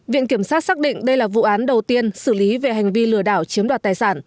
viện kiểm sát xác định đây là vụ án đầu tiên xử lý về hành vi lừa đảo chiếm đoạt tài sản